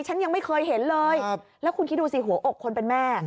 ฉันยังไม่เคยเห็นเลยแล้วคุณคิดดูสิหัวอกคนเป็นแม่